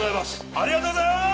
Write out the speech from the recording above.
ありがとうございます！